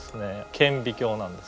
顕微鏡なんです。